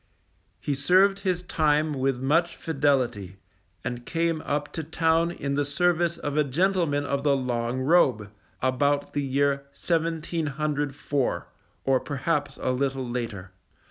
He served his time with much fidelity, and came up to town in the service of a gentleman of the long robe, about the year 1704, or perhaps a little later.